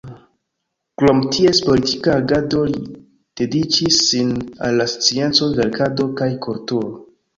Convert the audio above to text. Krom ties politika agado, li dediĉis sin al la scienco, verkado kaj kulturo.